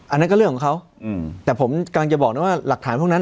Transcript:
อันนั้นก็เรื่องของเขาแต่ผมกำลังจะบอกนะว่าหลักฐานพวกนั้น